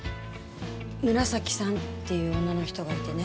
紫さんっていう女の人がいてね。